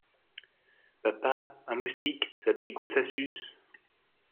Papa, un moustique ça pique ou ça suce?